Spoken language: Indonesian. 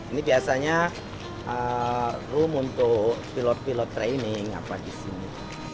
ini biasanya room untuk pilot pilot training apa disini